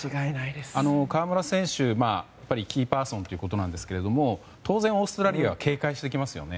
河村選手、キーパーソンということですけども当然、オーストラリアは警戒してきますよね。